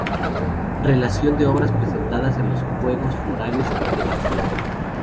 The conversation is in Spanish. Relación de obras presentadas a los Juegos Florales de Barcelona"'